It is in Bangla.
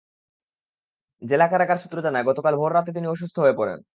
জেলা কারাগার সূত্র জানায়, গতকাল ভোর রাতে তিনি অসুস্থ হয়ে পড়েন।